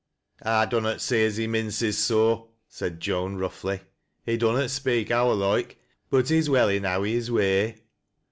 '•'I dunnot see as he minces so," said Joan roughly. " He dunnot speak our loike, but he's well enow i' hin way."